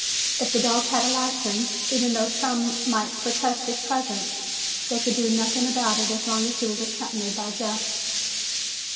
If the dog had a license, even though some might protest his presence, they could do nothing about it as long as he was accompanied by Jeff.